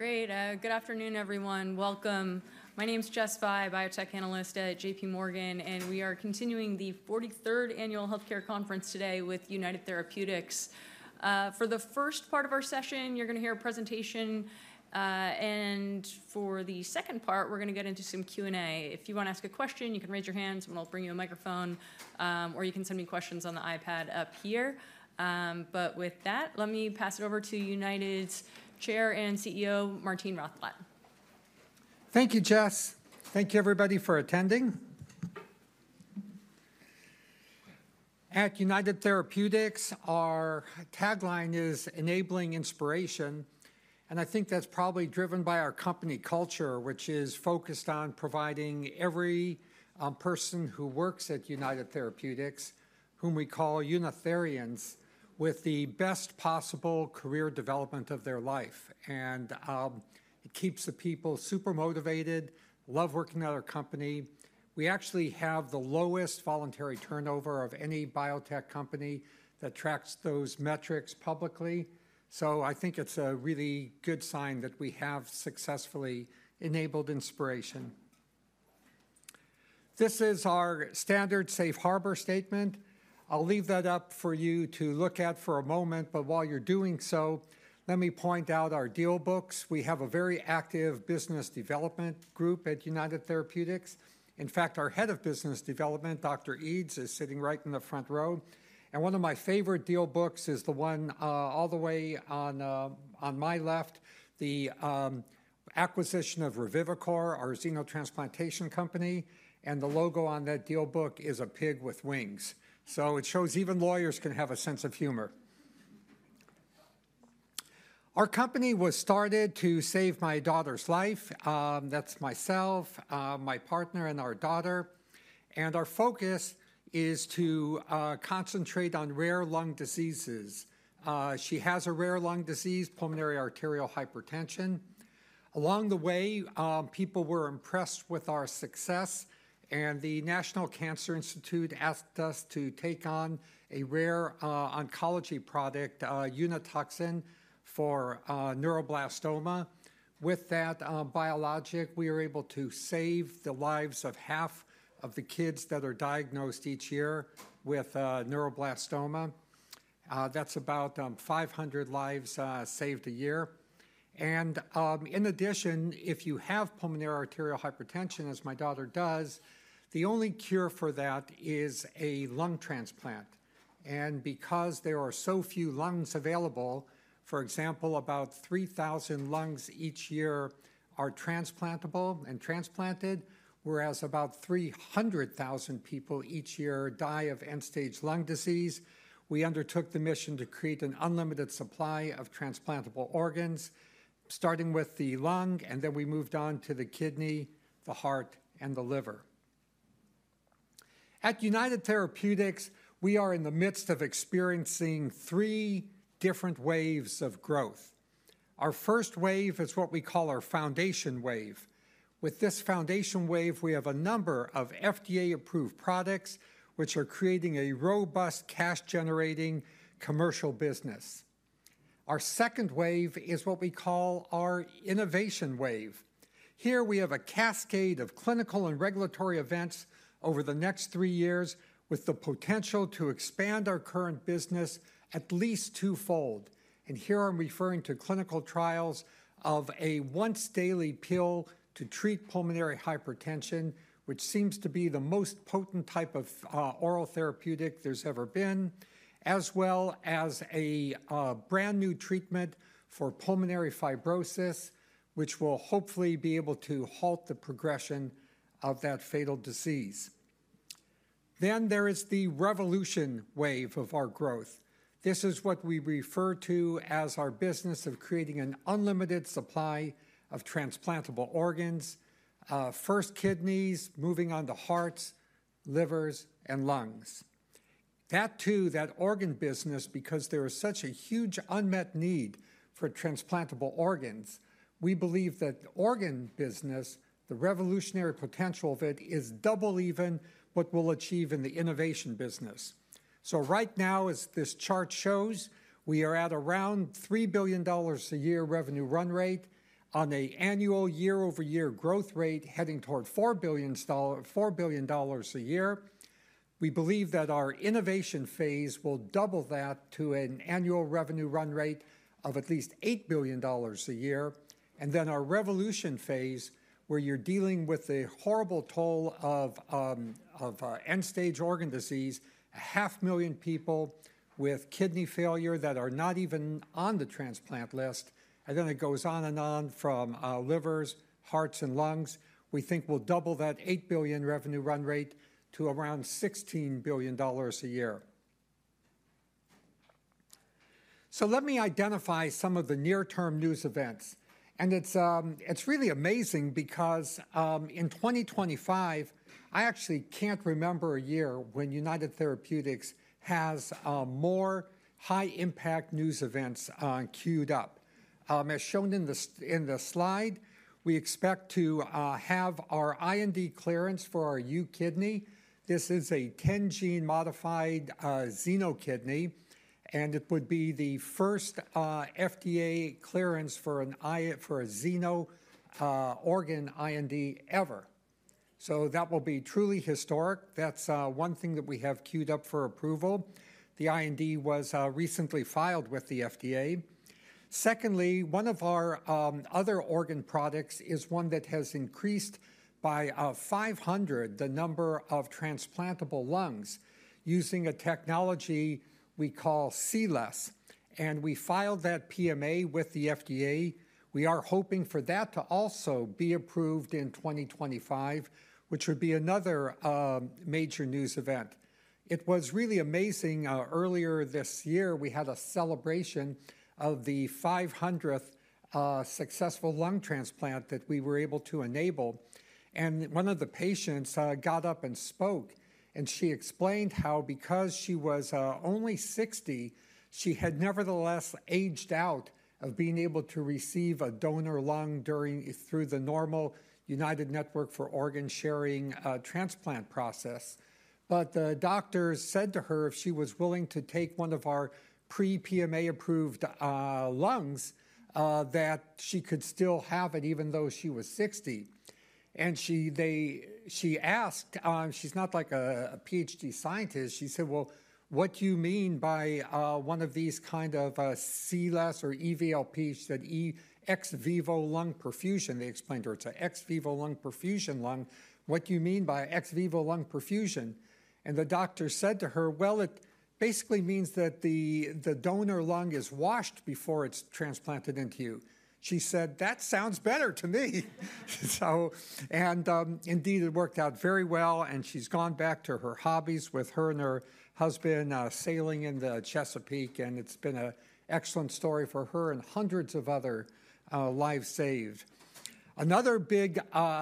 Great. Good afternoon, everyone. Welcome. My name's Jessica Fye, biotech analyst at J.P. Morgan, and we are continuing the 43rd Annual Healthcare Conference today with United Therapeutics. For the first part of our session, you're going to hear a presentation, and for the second part, we're going to get into some Q&A. If you want to ask a question, you can raise your hand, and I'll bring you a microphone, or you can send me questions on the iPad up here. But with that, let me pass it over to United's Chair and CEO, Martine Rothblatt. Thank you, Jess. Thank you, everybody, for attending. At United Therapeutics, our tagline is "Enabling Inspiration," and I think that's probably driven by our company culture, which is focused on providing every person who works at United Therapeutics, whom we call "Unitherians," with the best possible career development of their life, and it keeps the people super motivated, love working at our company. We actually have the lowest voluntary turnover of any biotech company that tracks those metrics publicly, so I think it's a really good sign that we have successfully enabled inspiration. This is our standard safe harbor statement. I'll leave that up for you to look at for a moment, but while you're doing so, let me point out our deal books. We have a very active business development group at United Therapeutics. In fact, our head of business development, Dr. Eades is sitting right in the front row. One of my favorite deal books is the one all the way on my left, the acquisition of Revivicor, our xenotransplantation company, and the logo on that deal book is a pig with wings. It shows even lawyers can have a sense of humor. Our company was started to save my daughter's life. That's myself, my partner, and our daughter. Our focus is to concentrate on rare lung diseases. She has a rare lung disease, pulmonary arterial hypertension. Along the way, people were impressed with our success, and the National Cancer Institute asked us to take on a rare oncology product, Unituxin, for neuroblastoma. With that biologic, we were able to save the lives of half of the kids that are diagnosed each year with neuroblastoma. That's about 500 lives saved a year. In addition, if you have pulmonary arterial hypertension, as my daughter does, the only cure for that is a lung transplant. Because there are so few lungs available, for example, about 3,000 lungs each year are transplantable and transplanted, whereas about 300,000 people each year die of end-stage lung disease, we undertook the mission to create an unlimited supply of transplantable organs, starting with the lung, and then we moved on to the kidney, the heart, and the liver. At United Therapeutics, we are in the midst of experiencing three different waves of growth. Our first wave is what we call our foundation wave. With this foundation wave, we have a number of FDA-approved products, which are creating a robust cash-generating commercial business. Our second wave is what we call our innovation wave. Here, we have a cascade of clinical and regulatory events over the next three years, with the potential to expand our current business at least twofold, and here I'm referring to clinical trials of a once-daily pill to treat pulmonary hypertension, which seems to be the most potent type of oral therapeutic there's ever been, as well as a brand new treatment for pulmonary fibrosis, which will hopefully be able to halt the progression of that fatal disease, then there is the revolutionary wave of our growth. This is what we refer to as our business of creating an unlimited supply of transplantable organs: first kidneys, moving on to hearts, livers, and lungs. That too, that organ business, because there is such a huge unmet need for transplantable organs, we believe that organ business, the revolutionary potential of it, is double even what we'll achieve in the innovation business. Right now, as this chart shows, we are at around $3 billion a year revenue run rate on an annual year-over-year growth rate heading toward $4 billion a year. We believe that our innovation phase will double that to an annual revenue run rate of at least $8 billion a year. Then our revolution phase, where you're dealing with a horrible toll of end-stage organ disease, 500,000 people with kidney failure that are not even on the transplant list, and then it goes on and on from livers, hearts, and lungs, we think we'll double that $8 billion revenue run rate to around $16 billion a year. Let me identify some of the near-term news events. It's really amazing because in 2025, I actually can't remember a year when United Therapeutics has more high-impact news events queued up. As shown in the slide, we expect to have our IND clearance for our UKidney. This is a 10-gene modified xenokidney, and it would be the first FDA clearance for a xeno organ IND ever. So that will be truly historic. That's one thing that we have queued up for approval. The IND was recently filed with the FDA. Secondly, one of our other organ products is one that has increased by 500 the number of transplantable lungs using a technology we call CLES. And we filed that PMA with the FDA. We are hoping for that to also be approved in 2025, which would be another major news event. It was really amazing. Earlier this year, we had a celebration of the 500th successful lung transplant that we were able to enable. One of the patients got up and spoke, and she explained how, because she was only 60, she had nevertheless aged out of being able to receive a donor lung through the normal United Network for Organ Sharing transplant process. But the doctors said to her if she was willing to take one of our pre-PMA-approved lungs, that she could still have it even though she was 60. And she asked, she's not like a PhD scientist, she said, "Well, what do you mean by one of these kind of CLES or EVLP?" She said, "Ex vivo lung perfusion." They explained to her, "It's an ex vivo lung perfusion lung. What do you mean by ex vivo lung perfusion?" And the doctor said to her, "Well, it basically means that the donor lung is washed before it's transplanted into you." She said, "That sounds better to me." And indeed, it worked out very well, and she's gone back to her hobbies with her and her husband sailing in the Chesapeake, and it's been an excellent story for her and hundreds of other lives saved. Another big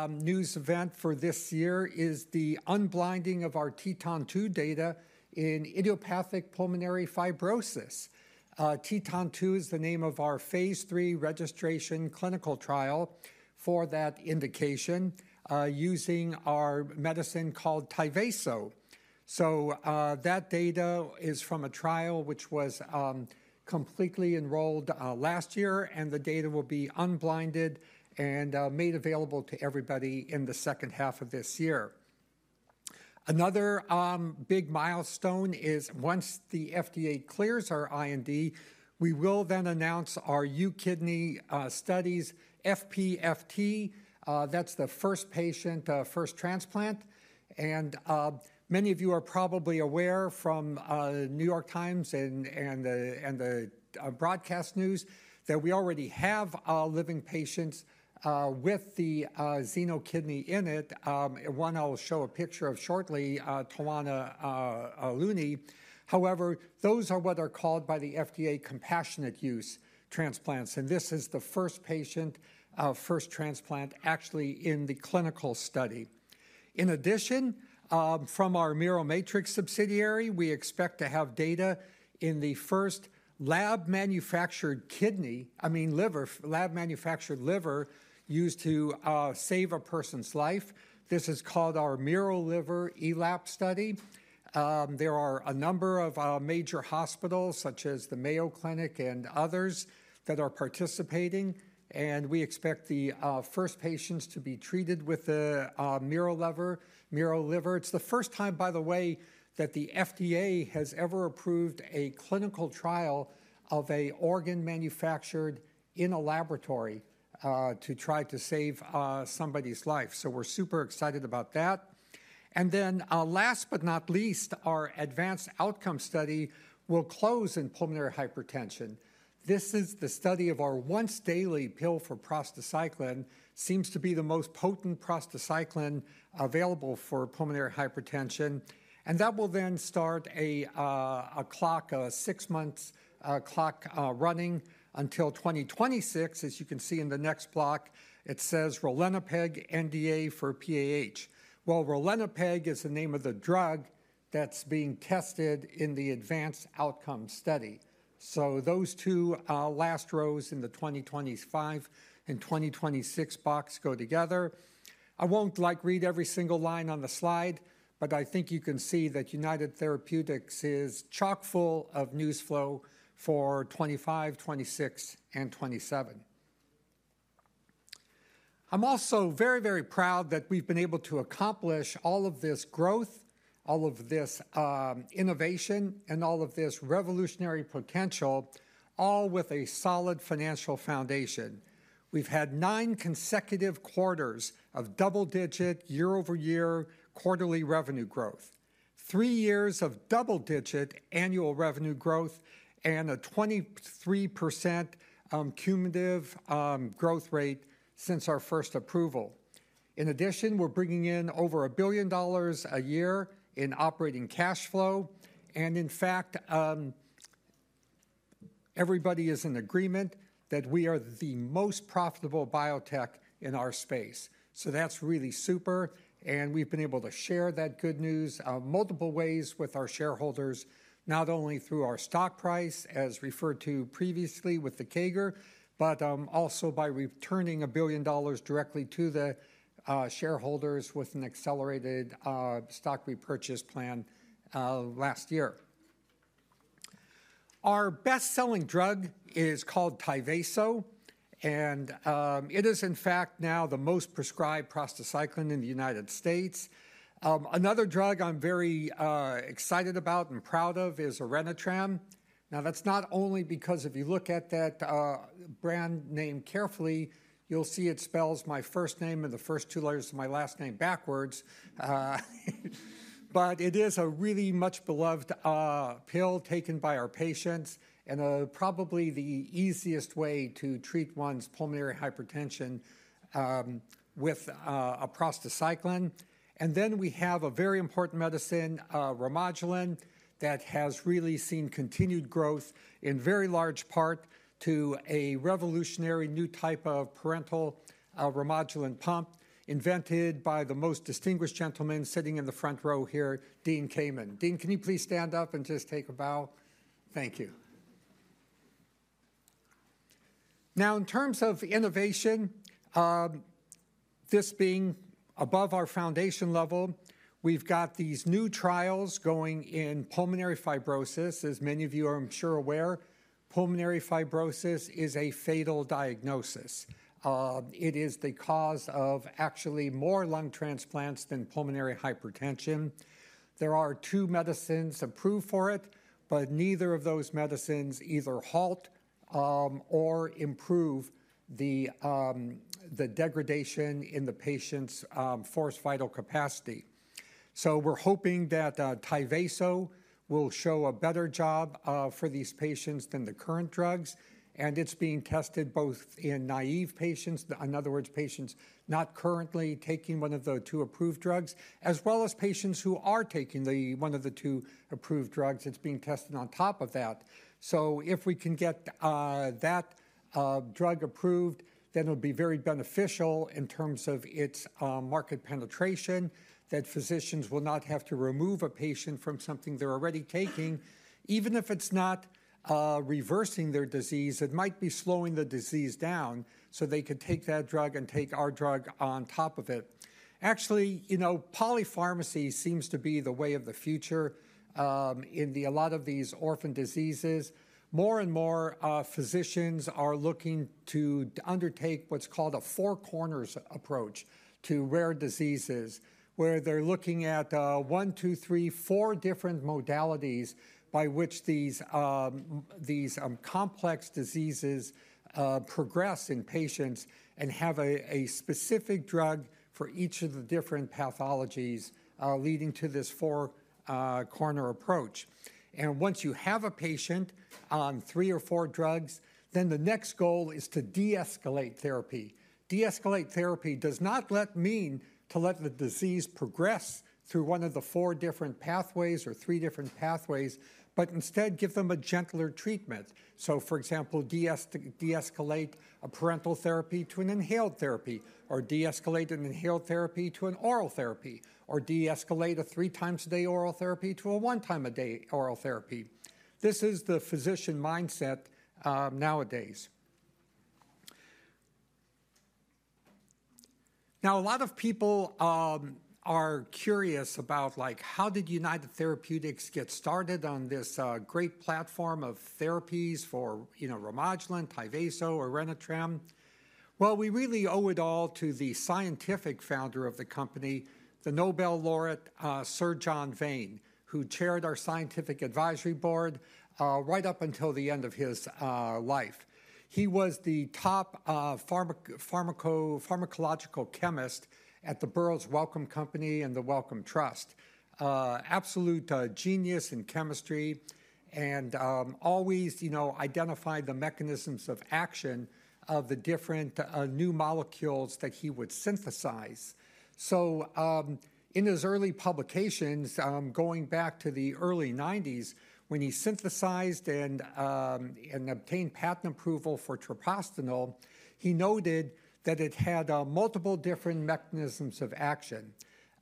news event for this year is the unblinding of our TETON 2 data in idiopathic pulmonary fibrosis. TETON 2 is the name of our phase three registration clinical trial for that indication using our medicine called Tyvaso. So that data is from a trial which was completely enrolled last year, and the data will be unblinded and made available to everybody in the second half of this year. Another big milestone is once the FDA clears our IND, we will then announce our UKidney studies, FPFT. That's the first patient, first transplant. And many of you are probably aware from New York Times and the broadcast news that we already have living patients with the xenokidney in it. One I'll show a picture of shortly, Tawana Looney. However, those are what are called by the FDA compassionate use transplants. And this is the first patient, first transplant actually in the clinical study. In addition, from our Miromatrix subsidiary, we expect to have data in the first lab-manufactured kidney, I mean liver, lab-manufactured liver used to save a person's life. This is called our miroliverELAP study. There are a number of major hospitals, such as the Mayo Clinic and others, that are participating. And we expect the first patients to be treated with the miroLiver liver. It's the first time, by the way, that the FDA has ever approved a clinical trial of an organ manufactured in a laboratory to try to save somebody's life, so we're super excited about that, and then last but not least, our advanced outcome study will close in pulmonary hypertension. This is the study of our once-daily pill for prostacyclin. Seems to be the most potent prostacyclin available for pulmonary hypertension, and that will then start a clock, a six-month clock running until 2026. As you can see in the next block, it says Ralinepag, NDA for PAH, well, Ralinepag is the name of the drug that's being tested in the advanced outcome study, so those two last rows in the 2025 and 2026 box go together. I won't read every single line on the slide, but I think you can see that United Therapeutics is chock-full of news flow for 2025, 2026, and 2027. I'm also very, very proud that we've been able to accomplish all of this growth, all of this innovation, and all of this revolutionary potential, all with a solid financial foundation. We've had nine consecutive quarters of double-digit year-over-year quarterly revenue growth, three years of double-digit annual revenue growth, and a 23% cumulative growth rate since our first approval. In addition, we're bringing in over $1 billion a year in operating cash flow. And in fact, everybody is in agreement that we are the most profitable biotech in our space, so that's really super. And we've been able to share that good news multiple ways with our shareholders, not only through our stock price, as referred to previously with the CAGR, but also by returning $1 billion directly to the shareholders with an accelerated stock repurchase plan last year. Our best-selling drug is called Tyvaso, and it is in fact now the most prescribed prostacyclin in the United States. Another drug I'm very excited about and proud of is Orenitram. Now, that's not only because if you look at that brand name carefully, you'll see it spells my first name and the first two letters of my last name backwards. But it is a really much-beloved pill taken by our patients and probably the easiest way to treat one's pulmonary hypertension with a prostacyclin. And then we have a very important medicine, Remodulin, that has really seen continued growth in very large part to a revolutionary new type of parenteral Remodulin pump invented by the most distinguished gentleman sitting in the front row here, Dean Kamen. Dean, can you please stand up and just take a bow? Thank you. Now, in terms of innovation, this being above our foundation level, we've got these new trials going in pulmonary fibrosis. As many of you are, I'm sure, aware, pulmonary fibrosis is a fatal diagnosis. It is the cause of actually more lung transplants than pulmonary hypertension. There are two medicines approved for it, but neither of those medicines either halt or improve the degradation in the patient's forced vital capacity. So we're hoping that Tyvaso will show a better job for these patients than the current drugs. And it's being tested both in naive patients, in other words, patients not currently taking one of the two approved drugs, as well as patients who are taking one of the two approved drugs. It's being tested on top of that. So if we can get that drug approved, then it'll be very beneficial in terms of its market penetration, that physicians will not have to remove a patient from something they're already taking. Even if it's not reversing their disease, it might be slowing the disease down so they could take that drug and take our drug on top of it. Actually, polypharmacy seems to be the way of the future in a lot of these orphan diseases. More and more, physicians are looking to undertake what's called a four-corners approach to rare diseases, where they're looking at one, two, three, four different modalities by which these complex diseases progress in patients and have a specific drug for each of the different pathologies leading to this four-corner approach. And once you have a patient on three or four drugs, then the next goal is to de-escalate therapy. De-escalate therapy does not mean to let the disease progress through one of the four different pathways or three different pathways, but instead give them a gentler treatment. So for example, de-escalate a parenteral therapy to an inhaled therapy, or de-escalate an inhaled therapy to an oral therapy, or de-escalate a three-times-a-day oral therapy to a one-time-a-day oral therapy. This is the physician mindset nowadays. Now, a lot of people are curious about, like, how did United Therapeutics get started on this great platform of therapies for Remodulin, Tyvaso, Orenitram? Well, we really owe it all to the scientific founder of the company, the Nobel laureate, Sir John Vane, who chaired our scientific advisory board right up until the end of his life. He was the top pharmacological chemist at the Burroughs Wellcome Company and the Wellcome Trust. Absolute genius in chemistry and always identified the mechanisms of action of the different new molecules that he would synthesize. So in his early publications, going back to the early '90s, when he synthesized and obtained patent approval for treprostinil, he noted that it had multiple different mechanisms of action.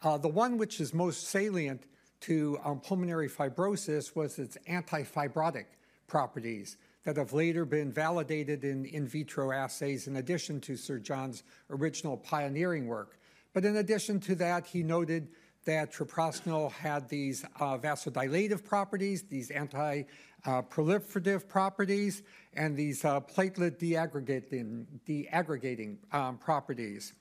The one which is most salient to pulmonary fibrosis was its antifibrotic properties that have later been validated in in vitro assays, in addition to Sir John's original pioneering work. But in addition to that, he noted that treprostinil had these vasodilative properties, these anti-proliferative properties, and these platelet deaggregating properties.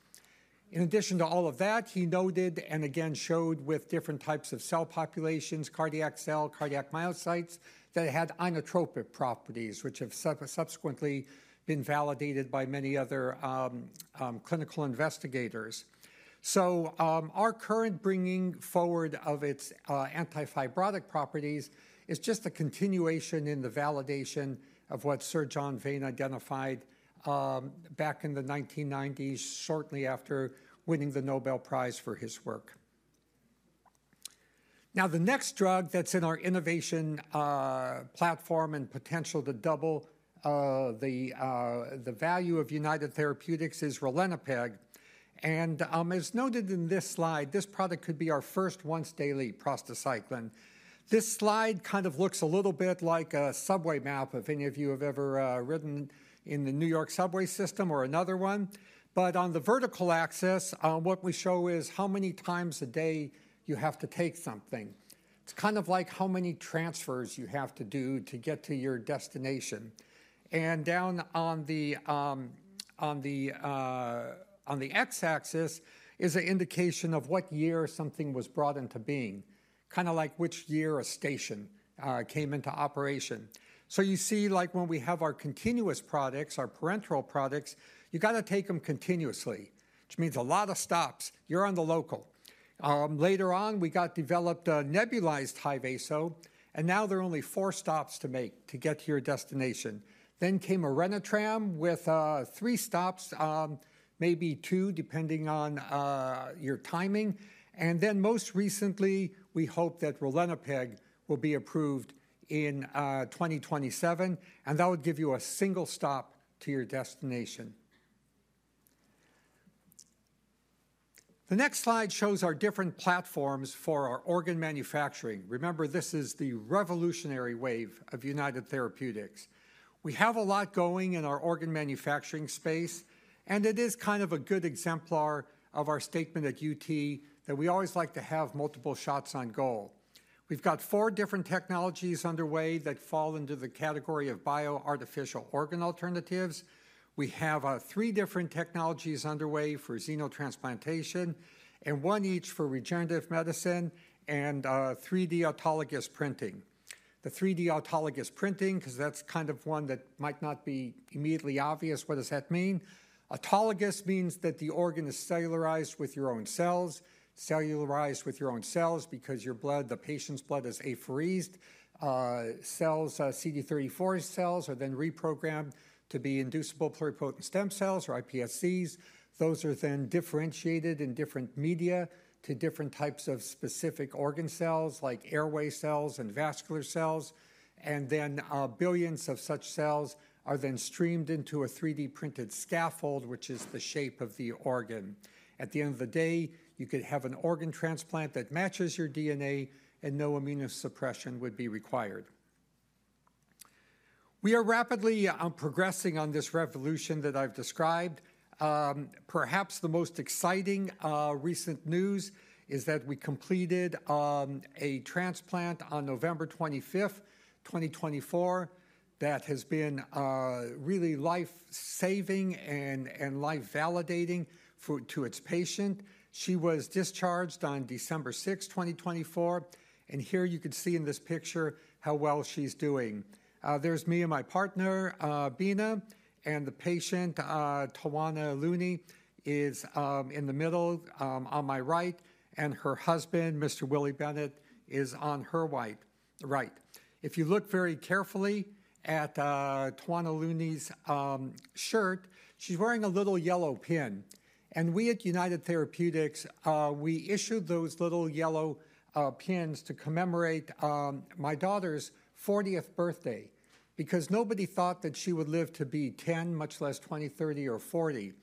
In addition to all of that, he noted and again showed with different types of cell populations, cardiac cell, cardiac myocytes, that it had inotropic properties, which have subsequently been validated by many other clinical investigators. So our current bringing forward of its antifibrotic properties is just a continuation in the validation of what Sir John Vane identified back in the 1990s, shortly after winning the Nobel Prize for his work. Now, the next drug that's in our innovation platform and potential to double the value of United Therapeutics is Ralinepag. As noted in this slide, this product could be our first once-daily prostacyclin. This slide kind of looks a little bit like a subway map, if any of you have ever ridden in the New York subway system or another one. On the vertical axis, what we show is how many times a day you have to take something. It's kind of like how many transfers you have to do to get to your destination. Down on the x-axis is an indication of what year something was brought into being, kind of like which year a station came into operation. You see, like when we have our continuous products, our parenteral products, you got to take them continuously, which means a lot of stops. You're on the local. Later on, we got developed a nebulized Tyvaso, and now there are only four stops to make to get to your destination. Then came Orenitram with three stops, maybe two, depending on your timing. And then most recently, we hope that Ralinepag will be approved in 2027, and that would give you a single stop to your destination. The next slide shows our different platforms for our organ manufacturing. Remember, this is the revolutionary wave of United Therapeutics. We have a lot going in our organ manufacturing space, and it is kind of a good exemplar of our statement at UT that we always like to have multiple shots on goal. We've got four different technologies underway that fall into the category of bio-artificial organ alternatives. We have three different technologies underway for xenotransplantation and one each for regenerative medicine and 3D autologous printing. The 3D autologous printing, because that's kind of one that might not be immediately obvious, what does that mean? Autologous means that the organ is cellularized with your own cells, cellularized with your own cells because your blood, the patient's blood is apheresed. CD34 cells are then reprogrammed to be inducible pluripotent stem cells or iPSCs. Those are then differentiated in different media to different types of specific organ cells, like airway cells and vascular cells. And then billions of such cells are then streamed into a 3D printed scaffold, which is the shape of the organ. At the end of the day, you could have an organ transplant that matches your DNA, and no immunosuppression would be required. We are rapidly progressing on this revolution that I've described. Perhaps the most exciting recent news is that we completed a transplant on November 25th, 2024, that has been really life-saving and life-validating to its patient. She was discharged on December 6th, 2024. And here you can see in this picture how well she's doing. There's me and my partner, Bina, and the patient, Tawana Looney, is in the middle on my right, and her husband, Mr. Willie Bennett, is on her right. If you look very carefully at Tawana Looney's shirt, she's wearing a little yellow pin. And we at United Therapeutics, we issued those little yellow pins to commemorate my daughter's 40th birthday because nobody thought that she would live to be 10, much less 20, 30, or 40.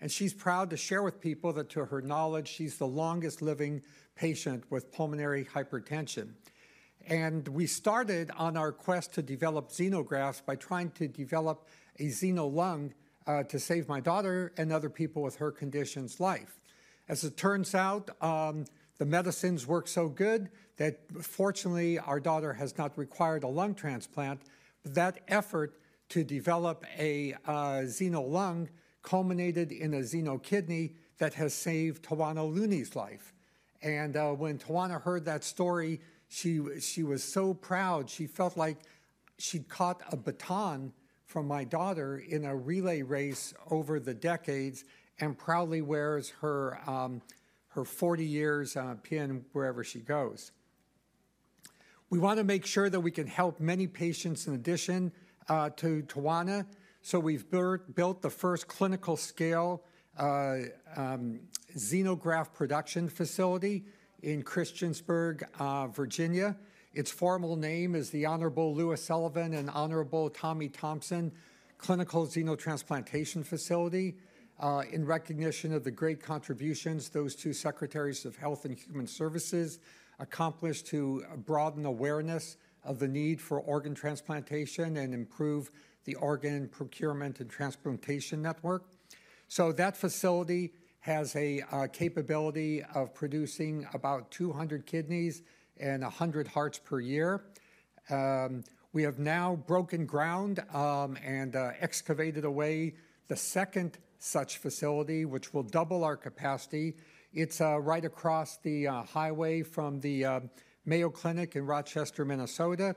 And she's proud to share with people that to her knowledge, she's the longest living patient with pulmonary hypertension. We started on our quest to develop xenografts by trying to develop a xenolung to save my daughter and other people with her condition's life. As it turns out, the medicines work so good that fortunately our daughter has not required a lung transplant. That effort to develop a xenolung culminated in a xenokidney that has saved Tawana Looney's life. When Tawana heard that story, she was so proud. She felt like she'd caught a baton from my daughter in a relay race over the decades and proudly wears her 40-year pin wherever she goes. We want to make sure that we can help many patients in addition to Tawana. We've built the first clinical-scale xenograft production facility in Christiansburg, Virginia. Its formal name is the Honorable Louis Sullivan and Honorable Tommy Thompson Clinical Xenotransplantation Facility in recognition of the great contributions those two secretaries of health and human services accomplished to broaden awareness of the need for organ transplantation and improve the organ procurement and transplantation network. So that facility has a capability of producing about 200 kidneys and 100 hearts per year. We have now broken ground and excavated away the second such facility, which will double our capacity. It's right across the highway from the Mayo Clinic in Rochester, Minnesota.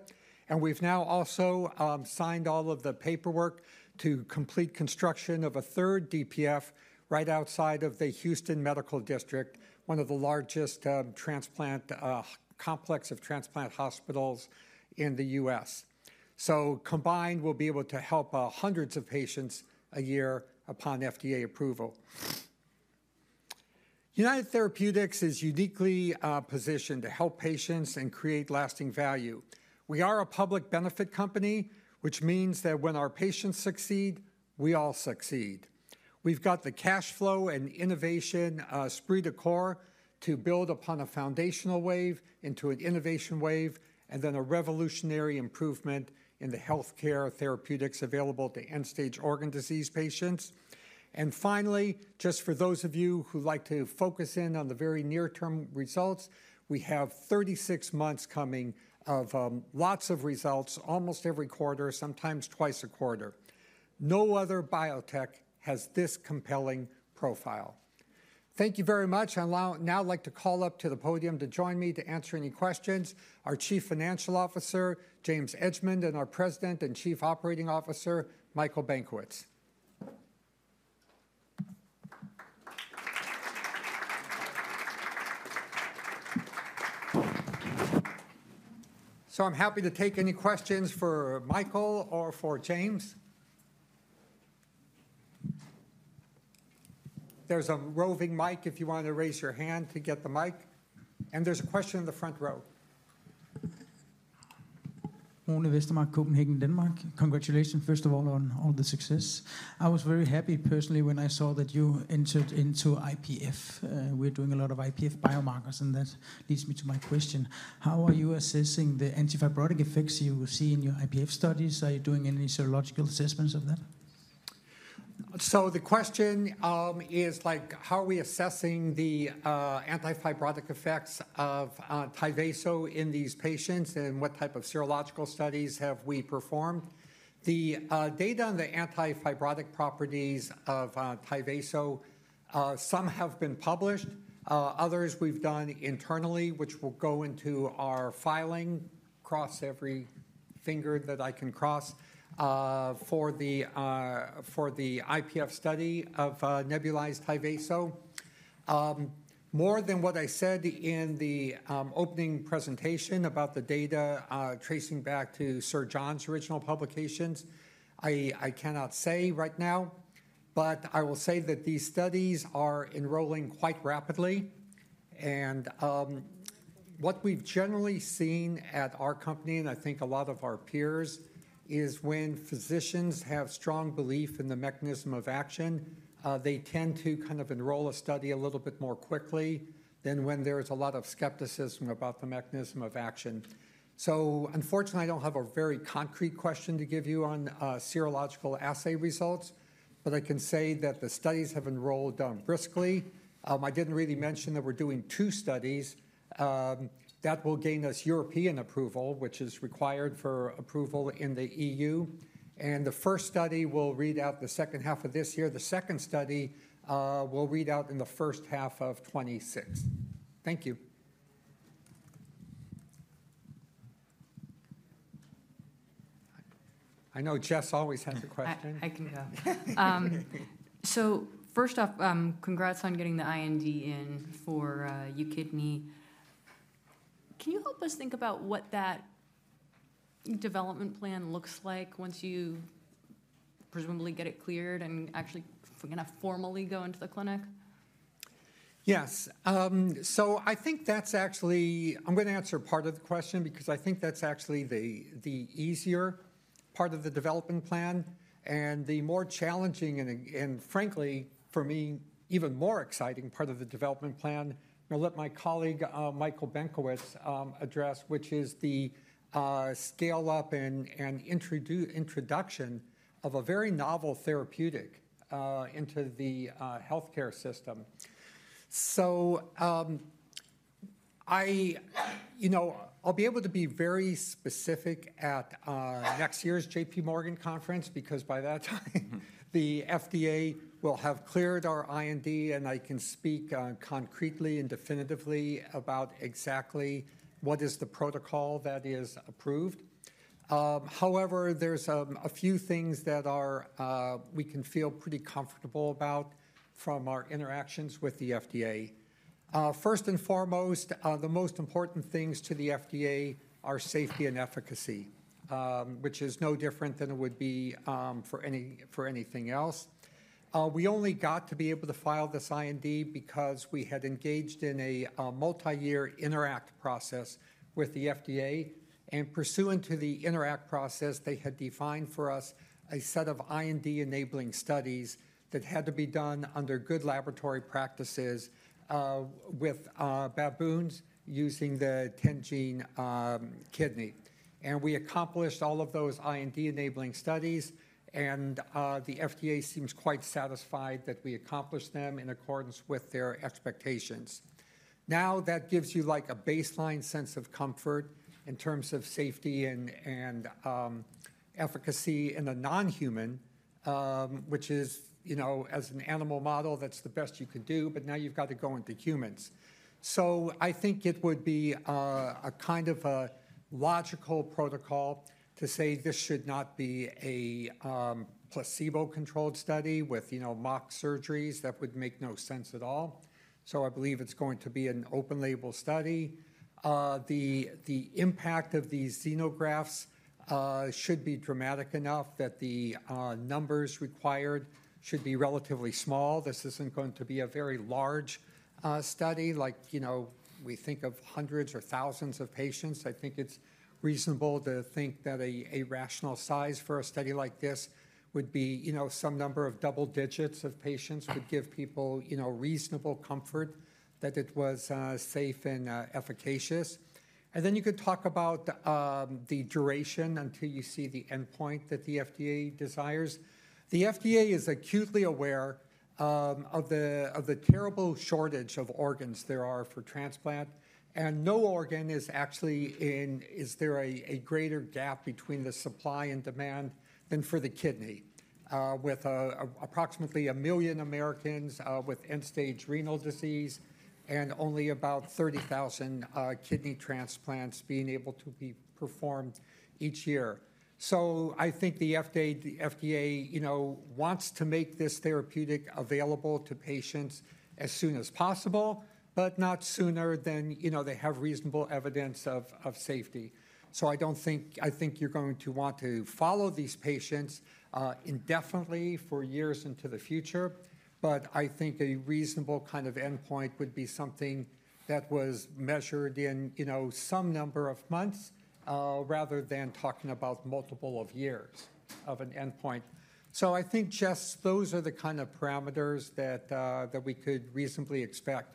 And we've now also signed all of the paperwork to complete construction of a third DPF right outside of the Houston Medical District, one of the largest complex of transplant hospitals in the U.S. So combined, we'll be able to help hundreds of patients a year upon FDA approval. United Therapeutics is uniquely positioned to help patients and create lasting value. We are a public benefit company, which means that when our patients succeed, we all succeed. We've got the cash flow and innovation spree to core to build upon a foundational wave into an innovation wave, and then a revolutionary improvement in the healthcare therapeutics available to end-stage organ disease patients. And finally, just for those of you who like to focus in on the very near-term results, we have 36 months coming of lots of results almost every quarter, sometimes twice a quarter. No other biotech has this compelling profile. Thank you very much. I'd now like to call up to the podium to join me to answer any questions, our Chief Financial Officer, James Edgemond, and our President and Chief Operating Officer, Michael Benkowitz. So I'm happy to take any questions for Michael or for James. There's a roving mic if you want to raise your hand to get the mic. And there's a question in the front row. Born in Westmark, Copenhagen, Denmark. Congratulations, first of all, on all the success. I was very happy personally when I saw that you entered into IPF. We're doing a lot of IPF biomarkers, and that leads me to my question. How are you assessing the antifibrotic effects you see in your IPF studies? Are you doing any serological assessments of that? So the question is, like, how are we assessing the antifibrotic effects of Tyvaso in these patients and what type of serological studies have we performed? The data on the antifibrotic properties of Tyvaso, some have been published, others we've done internally, which will go into our filing across every finger that I can cross for the IPF study of nebulized Tyvaso. More than what I said in the opening presentation about the data tracing back to Sir John's original publications, I cannot say right now, but I will say that these studies are enrolling quite rapidly. And what we've generally seen at our company and I think a lot of our peers is when physicians have strong belief in the mechanism of action, they tend to kind of enroll a study a little bit more quickly than when there's a lot of skepticism about the mechanism of action. Unfortunately, I don't have a very concrete question to give you on serological assay results, but I can say that the studies have enrolled briskly. I didn't really mention that we're doing two studies. That will gain us European approval, which is required for approval in the EU. And the first study will read out the second half of this year. The second study will read out in the first half of 2026. Thank you. I know Jess always has a question. I can go. So first off, congrats on getting the IND in for UKidney. Can you help us think about what that development plan looks like once you presumably get it cleared and actually can formally go into the clinic? Yes. So I think that's actually. I'm going to answer part of the question because I think that's actually the easier part of the development plan. And the more challenging and frankly, for me, even more exciting part of the development plan, I'll let my colleague Michael Benkowitz address, which is the scale-up and introduction of a very novel therapeutic into the healthcare system. So I'll be able to be very specific at next year's J.P. Morgan conference because by that time, the FDA will have cleared our IND, and I can speak concretely and definitively about exactly what is the protocol that is approved. However, there's a few things that we can feel pretty comfortable about from our interactions with the FDA. First and foremost, the most important things to the FDA are safety and efficacy, which is no different than it would be for anything else. We only got to be able to file this IND because we had engaged in a multi-year INTERACT process with the FDA, and pursuant to the INTERACT process, they had defined for us a set of IND-enabling studies that had to be done under good laboratory practices with baboons using the 10-gene kidney. And we accomplished all of those IND-enabling studies, and the FDA seems quite satisfied that we accomplished them in accordance with their expectations. Now that gives you like a baseline sense of comfort in terms of safety and efficacy in a non-human, which is, you know, as an animal model, that's the best you can do, but now you've got to go into humans, so I think it would be a kind of a logical protocol to say this should not be a placebo-controlled study with mock surgeries that would make no sense at all. So I believe it's going to be an open-label study. The impact of these xenografts should be dramatic enough that the numbers required should be relatively small. This isn't going to be a very large study. Like, you know, we think of hundreds or thousands of patients. I think it's reasonable to think that a rational size for a study like this would be, you know, some number of double digits of patients would give people, you know, reasonable comfort that it was safe and efficacious. And then you could talk about the duration until you see the endpoint that the FDA desires. The FDA is acutely aware of the terrible shortage of organs there are for transplant. No organ is actually in which there is a greater gap between the supply and demand than for the kidney, with approximately a million Americans with end-stage renal disease and only about 30,000 kidney transplants being able to be performed each year. So I think the FDA, you know, wants to make this therapeutic available to patients as soon as possible, but not sooner than, you know, they have reasonable evidence of safety. So I don't think, I think you're going to want to follow these patients indefinitely for years into the future, but I think a reasonable kind of endpoint would be something that was measured in, you know, some number of months rather than talking about multiple of years of an endpoint. So I think, Jess, those are the kind of parameters that we could reasonably expect.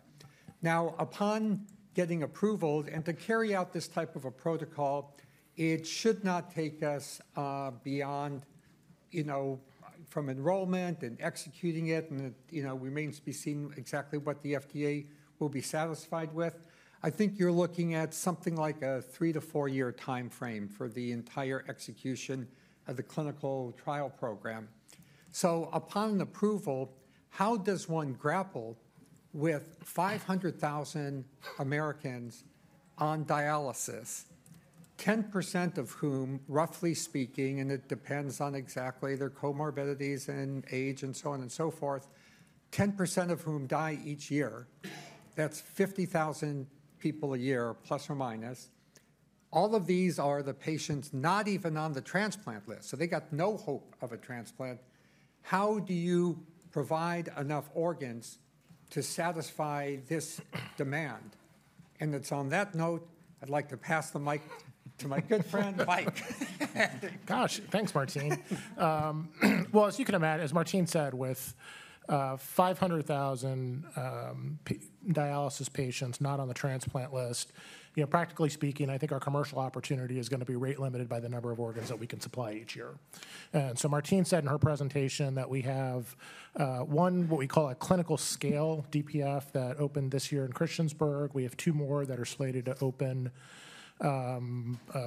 Now, upon getting approval and to carry out this type of a protocol, it should not take us beyond, you know, from enrollment and executing it, and it, you know, remains to be seen exactly what the FDA will be satisfied with. I think you're looking at something like a three- to four-year timeframe for the entire execution of the clinical trial program. So upon approval, how does one grapple with 500,000 Americans on dialysis, 10% of whom, roughly speaking, and it depends on exactly their comorbidities and age and so on and so forth, 10% of whom die each year. That's 50,000 people a year, plus or minus. All of these are the patients not even on the transplant list, so they got no hope of a transplant. How do you provide enough organs to satisfy this demand? It's on that note, I'd like to pass the mic to my good friend Mike. Gosh, thanks, Martine. Well, as you can imagine, as Martine said, with 500,000 dialysis patients not on the transplant list, you know, practically speaking, I think our commercial opportunity is going to be rate-limited by the number of organs that we can supply each year, and so Martine said in her presentation that we have one, what we call a clinical-scale DPF that opened this year in Christiansburg. We have two more that are slated to open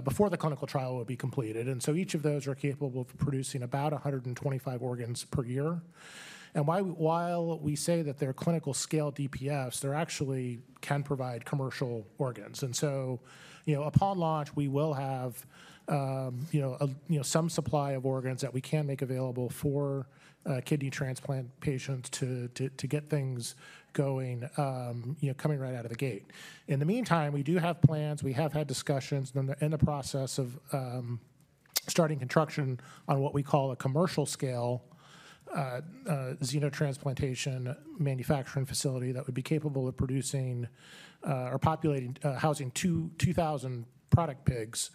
before the clinical trial will be completed, and so each of those are capable of producing about 125 organs per year. And while we say that they're clinical-scale DPFs, they actually can provide commercial organs, and so, you know, upon launch, we will have, you know, some supply of organs that we can make available for kidney transplant patients to get things going, you know, coming right out of the gate. In the meantime, we do have plans. We have had discussions in the process of starting construction on what we call a commercial scale xenotransplantation manufacturing facility that would be capable of producing or populating, housing 2,000 product pigs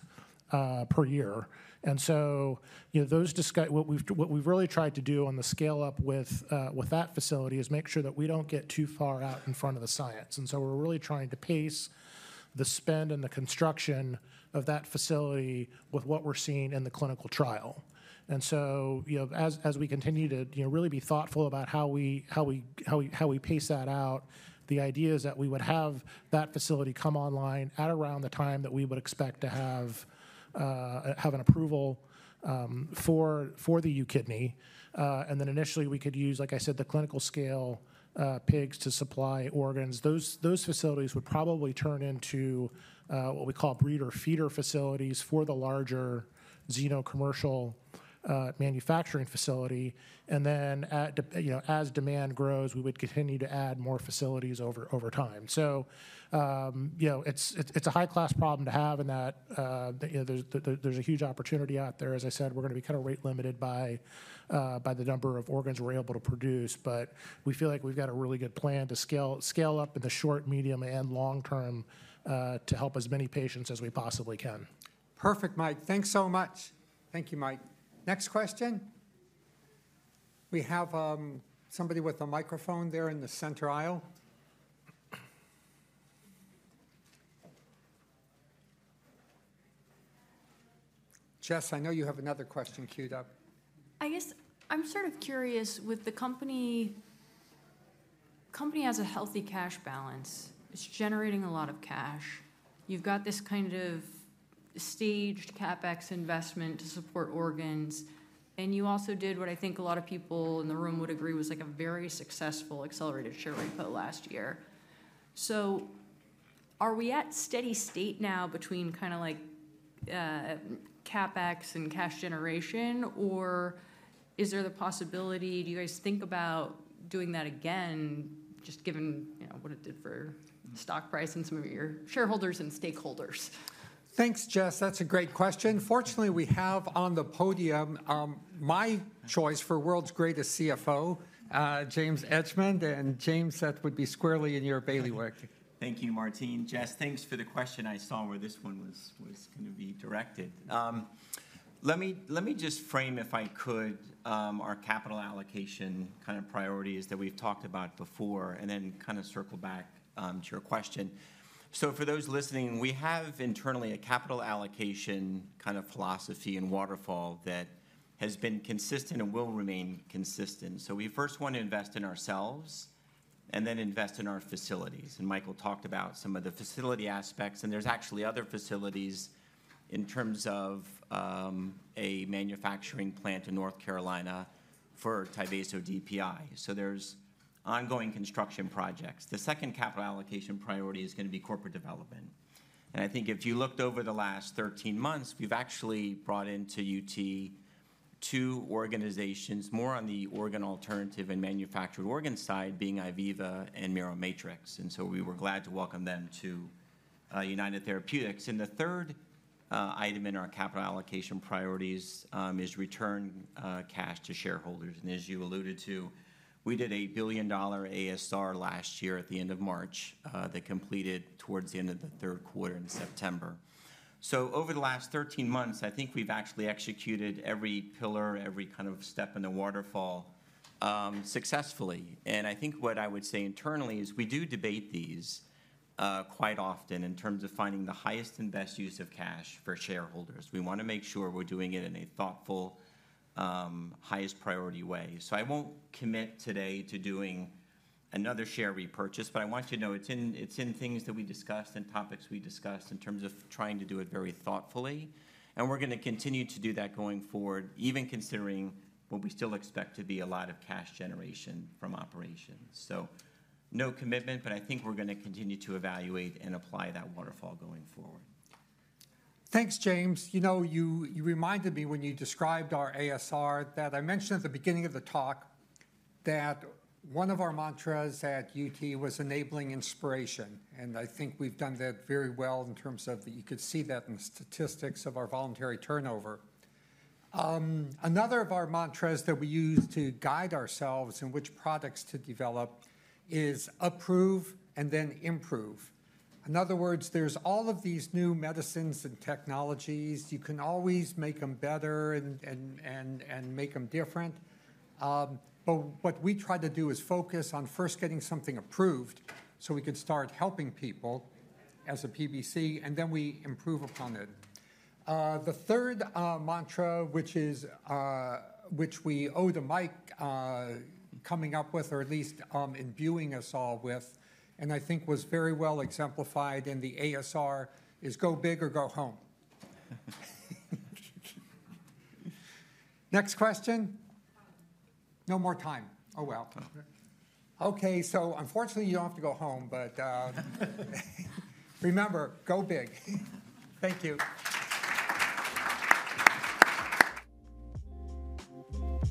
per year. And so, you know, those discussions, what we've really tried to do on the scale-up with that facility is make sure that we don't get too far out in front of the science. And so we're really trying to pace the spend and the construction of that facility with what we're seeing in the clinical trial. And so, you know, as we continue to, you know, really be thoughtful about how we pace that out, the idea is that we would have that facility come online at around the time that we would expect to have an approval for the UKidney. And then initially, we could use, like I said, the clinical-scale pigs to supply organs. Those facilities would probably turn into what we call breeder feeder facilities for the larger xenocommercial manufacturing facility. And then as demand grows, we would continue to add more facilities over time. So, you know, it's a high-class problem to have in that there's a huge opportunity out there. As I said, we're going to be kind of rate-limited by the number of organs we're able to produce, but we feel like we've got a really good plan to scale up in the short, medium, and long term to help as many patients as we possibly can. Perfect, Mike. Thanks so much. Thank you, Mike. Next question. We have somebody with a microphone there in the center aisle. Jess, I know you have another question queued up. I guess I'm sort of curious with the company has a healthy cash balance. It's generating a lot of cash. You've got this kind of staged CapEx investment to support organs, and you also did what I think a lot of people in the room would agree was like a very successful accelerated share repo last year. So are we at steady state now between kind of like CapEx and cash generation, or is there the possibility, do you guys think about doing that again, just given what it did for stock price and some of your shareholders and stakeholders? Thanks, Jess. That's a great question. Fortunately, we have on the podium my choice for world's greatest CFO, James Edgemond, and James, that would be squarely in your bailiwick. Thank you, Martine. Jess, thanks for the question. I saw where this one was going to be directed. Let me just frame, if I could, our capital allocation kind of priorities that we've talked about before and then kind of circle back to your question. So for those listening, we have internally a capital allocation kind of philosophy in Waterfall that has been consistent and will remain consistent. So we first want to invest in ourselves and then invest in our facilities, and Michael talked about some of the facility aspects, and there's actually other facilities in terms of a manufacturing plant in North Carolina for Tyvaso DPI. So there's ongoing construction projects. The second capital allocation priority is going to be corporate development. I think if you looked over the last 13 months, we've actually brought into UT two organizations more on the organ alternative and manufactured organ side, being IVIVA and Miromatrix. So we were glad to welcome them to United Therapeutics. The third item in our capital allocation priorities is return cash to shareholders. As you alluded to, we did a $1 billion ASR last year at the end of March that completed towards the end of the third quarter in September. Over the last 13 months, I think we've actually executed every pillar, every kind of step in the waterfall successfully. What I would say internally is we do debate these quite often in terms of finding the highest and best use of cash for shareholders. We want to make sure we're doing it in a thoughtful, highest priority way. So I won't commit today to doing another share repurchase, but I want you to know it's in things that we discussed and topics we discussed in terms of trying to do it very thoughtfully. And we're going to continue to do that going forward, even considering what we still expect to be a lot of cash generation from operations. So no commitment, but I think we're going to continue to evaluate and apply that waterfall going forward. Thanks, James. You know, you reminded me when you described our ASR that I mentioned at the beginning of the talk that one of our mantras at UT was enabling inspiration, and I think we've done that very well in terms of that you could see that in the statistics of our voluntary turnover. Another of our mantras that we use to guide ourselves in which products to develop is approve and then improve. In other words, there's all of these new medicines and technologies. You can always make them better and make them different, but what we try to do is focus on first getting something approved so we could start helping people as a PBC, and then we improve upon it. The third mantra, which we owe to Mike coming up with, or at least imbuing us all with, and I think was very well exemplified in the ASR, is go big or go home. Next question. No more time. Oh, well. Okay, so unfortunately, you don't have to go home, but remember, go big. Thank you.